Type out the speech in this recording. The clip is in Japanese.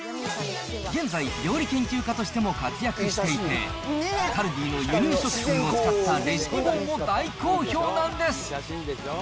現在、料理研究家としても活躍していて、カルディの輸入食品を使ったレシピ本も大好評なんです。